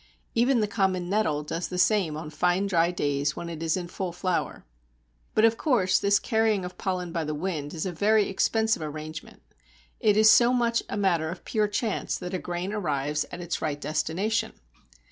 Even the common Nettle does the same on fine dry days when it is in full flower. But of course this carrying of pollen by the wind is a very expensive arrangement. It is so much a matter of pure chance that a grain arrives at its right destination.